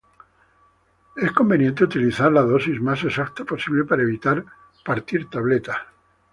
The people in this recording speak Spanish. Es conveniente utilizar la dosis más exacta posible, para evitar partir tabletas.